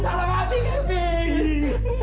salam mati kevin